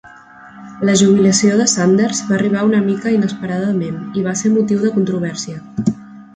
La jubilació de Sanders va arribar una mica inesperadament i va ser motiu de controvèrsia.